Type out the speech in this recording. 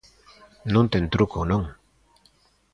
Non ten truco, non.